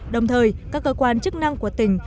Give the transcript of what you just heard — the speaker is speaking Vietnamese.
đồng thời các cơ quan chức năng của tỉnh